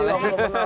gue belum pernah